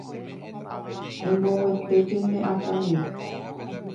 Emboguetéke ne akãgui.